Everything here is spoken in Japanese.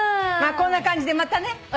まあこんな感じでまたね